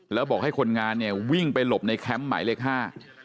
แล้วบอกให้คนงานเนี่ยวิ่งไปหลบในแคมป์หมายเลขห้า